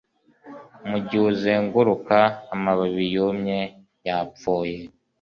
mugihe uzenguruka amababi yumye, yapfuye